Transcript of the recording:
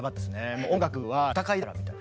もう音楽は戦いだからみたいな。